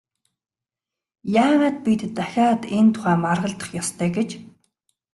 Яагаад бид дахиад энэ тухай маргалдах ёстой гэж?